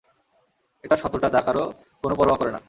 এটা শঠতা যা কারো কোনও পরোয়া করে না!